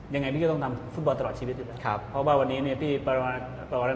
ยังไงพี่ก็ต้องนำฟุตบอลตลอดชีวิตใช่ไหมครับเพราะว่าวันนี้เนี่ยพี่ประมาณตอนนั้น